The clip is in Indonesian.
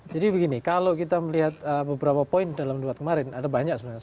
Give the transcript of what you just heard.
jadi begini kalau kita melihat beberapa poin dalam debat kemarin ada banyak sebenarnya